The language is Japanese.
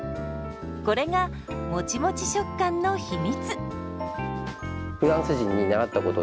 これがもちもち食感の秘密。